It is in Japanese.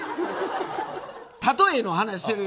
例えばの話をしてるよ